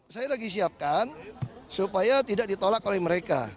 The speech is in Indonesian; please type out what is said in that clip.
saya lagi siapkan supaya tidak ditolak oleh mereka